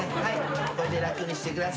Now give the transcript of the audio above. これで楽にしてください。